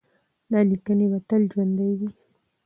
دا لیکنې به تل ژوندۍ وي.